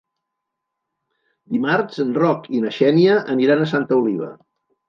Dimarts en Roc i na Xènia aniran a Santa Oliva.